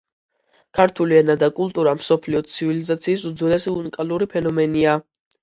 ქართული ენა და კულტურა მსოფლიო ცივილიზაციის უძველესი, უნიკალური ფენომენია.